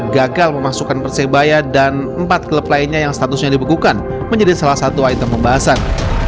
gagal memasukkan persebaya dan empat klub lainnya yang statusnya dibekukan menjadi salah satu item pembahasan